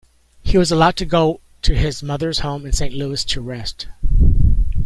He was allowed to go to his mother's home in Saint Louis to rest.